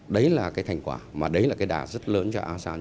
đấy là cái thành quả mà đấy là cái đà rất lớn cho asean